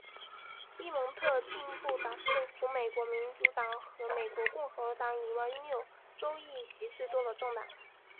佛蒙特进步党是除美国民主党和美国共和党以外拥有州议席最多的政党。